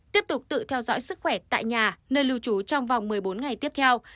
tiếp tục tự theo dõi sức khỏe tại nhà nơi lưu trú trong vòng một mươi bốn ngày tiếp theo